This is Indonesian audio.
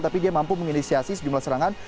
tapi dia mampu menginisiasi sejumlah serangan